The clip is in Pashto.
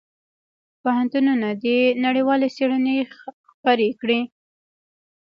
پوهنتونونه دي نړیوالې څېړنې خپرې کړي.